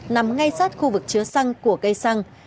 nằm ngay sát khu vực chứa xăng của cây xăng